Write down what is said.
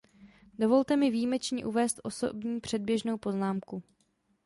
Dovolte mi výjimečně uvést osobní předběžnou poznámku.